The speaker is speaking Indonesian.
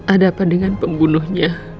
ada apa dengan pembunuhnya